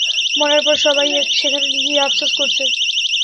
মরার পর সবাই সেখানে গিয়ে আপসোস করছে।